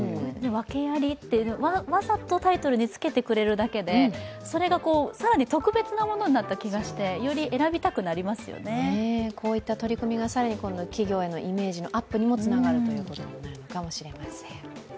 「訳あり」ってわざとタイトルにつけてくれるだけで、それが更に特別なものになった気がしてこういった取り組みが更に企業へのイメージのアップにもつながるということになるかもしれません。